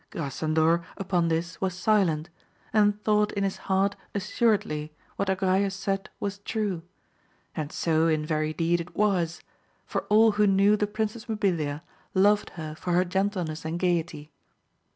Grasandor upon this was silent, and thought in his heart assuredly what Agrayes said was AMADIS OF GAUL. ' 153 trae, and so in very deed it was, for all who knew the Princess Mabilia loved her for her gentleness and gaiety.